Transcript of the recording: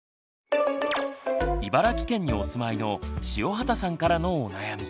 茨城県にお住まいの塩畑さんからのお悩み。